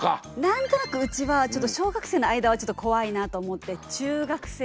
何となくうちはちょっと小学生の間はちょっと怖いなと思って中学生かなと。